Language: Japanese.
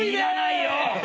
いらないよ！